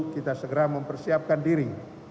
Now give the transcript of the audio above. kita segera mempersiapkan diri